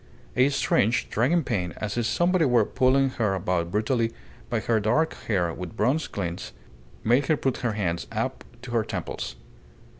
A strange, dragging pain as if somebody were pulling her about brutally by her dark hair with bronze glints, made her put her hands up to her temples.